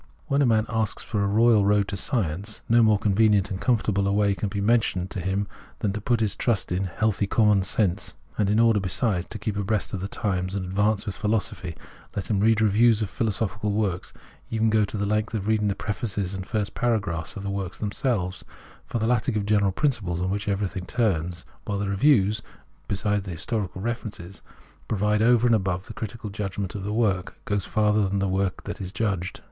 When a man asks for a royal road to science, no more convenient and comfortable way can be mentioned to him than to put his trust in " healthy common sense "; and in order, besides, to keep abreast of the times and advance with philosophy, let him read reviews of philo sophical works, and even go the length of reading the prefaces and first paragraphs of the works themselves ; for the latter give the general principles on which every thing turns, while the reviews, besides the historical references, provide over and above the critical judgment and appreciation, which, being a judgment passed on the work, goes farther than the work that is judged.